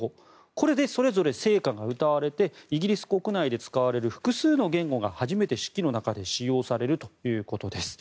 これでそれぞれ聖歌が歌われてイギリス国内で使われる複数の言語が初めて式の中で使われるということです。